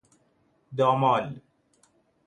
دامال